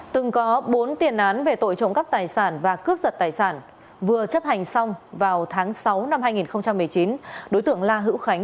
từng có bốn tiền án về tội trộm cắp tài sản và cướp giật tài sản vừa chấp hành xong vào tháng sáu năm hai nghìn một mươi chín đối tượng la hữu khánh